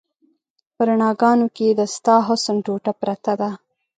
په رڼاګانو کې د ستا حسن ټوټه پرته ده